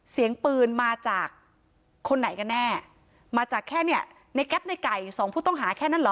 เสียงปืนมาจากคนไหนกันแน่มาจากแค่เนี่ยในแก๊ปในไก่สองผู้ต้องหาแค่นั้นเหรอ